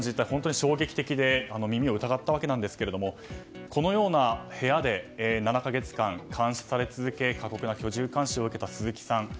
衝撃的で耳を疑ったわけなんですけどこのような部屋で７か月間監視され続け過酷な居住監視を受けた鈴木さん。